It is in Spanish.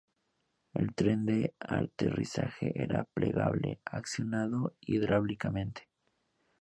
El tren de aterrizaje era plegable, accionado hidráulicamente.